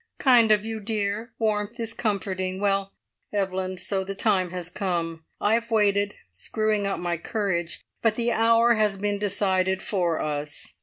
"Kind of you, dear! Warmth is comforting. Well, Evelyn, so the time has come. I have waited, screwing up my courage; but the hour has been decided for us."